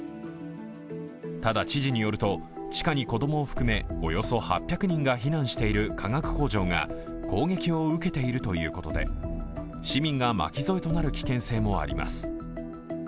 ただ知事によると地下に子供を含めおよそ８００人が避難している化学工場が攻撃を受けているということで、市民が巻き添えとなる危険性もあります。